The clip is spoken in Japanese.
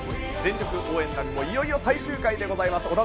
全力応援もいよいよ最終回でございます。